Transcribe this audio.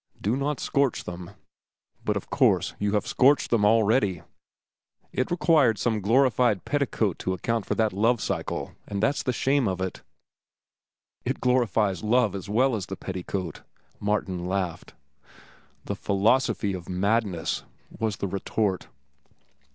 Do not scorch them. But of course you have scorched them already. It required some glorified petticoat to account for that 'Love cycle,' and that's the shame of it." "It glorifies love as well as the petticoat," Martin laughed. "The philosophy of madness," was the retort.